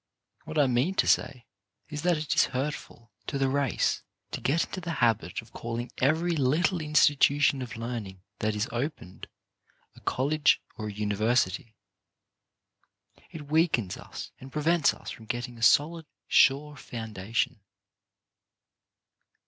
What I mean to say is that it is hurtful to the race to get into the habit of calling every little institution of learning that is opened, a college or a university. It weakens us and prevents us from getting a solid, sure foundation.